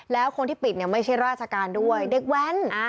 แล้วคนที่ปิดเนี่ยไม่ใช่ราชการด้วยเด็กแว้น